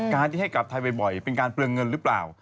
การที่ให้กลับไทยบ่อยเป็นการเปลืองเงินหรือเปล่า